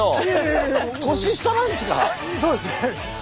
そうですね。